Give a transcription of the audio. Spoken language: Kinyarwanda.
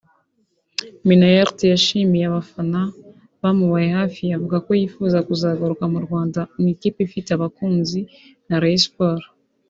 Minnaert yashimiye abafana bamubaye hafi avuga ko yifuza kuzagaruka mu Rwanda mu ikipe ifite abakunzi nka Rayon Sports